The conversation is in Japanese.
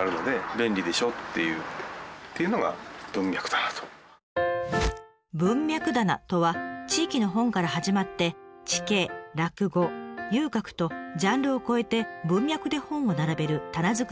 例えば「文脈棚」とは地域の本から始まって地形落語遊郭とジャンルを超えて文脈で本を並べる棚作りのテクニック。